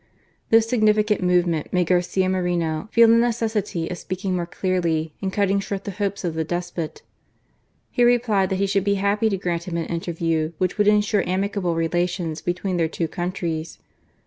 This significant movement made Garcia Moreno, feel the necessity of speaking more clearly and cutting short the hopes of the despot. He replied that he should be happy to grant him an interview which would ensure amicable relations between their two countries.